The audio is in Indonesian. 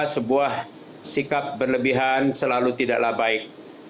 sebuah sikap berlebihan selalu tidaklah baik